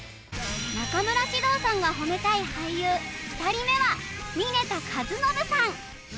中村獅童さんが褒めたい俳優２人目は峯田和伸さん